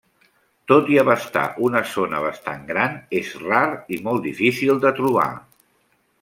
Tot i abastar una zona bastant gran, és rar i molt difícil de trobar.